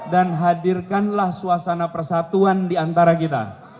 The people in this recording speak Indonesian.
dan hadirkanlah suasana persatuan diantara kita